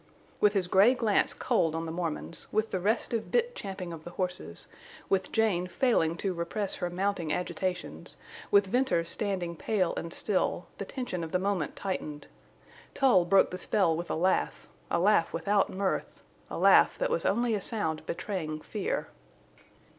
With his gray glance cold on the Mormons, with the restive bit champing of the horses, with Jane failing to repress her mounting agitations, with Venters standing pale and still, the tension of the moment tightened. Tull broke the spell with a laugh, a laugh without mirth, a laugh that was only a sound betraying fear.